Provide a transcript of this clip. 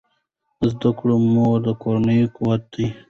د زده کړې مور د کورنۍ قوت ده.